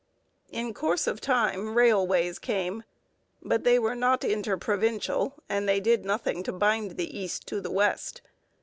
In course of time railways came, but they were not interprovincial and they did nothing to bind the East to the West.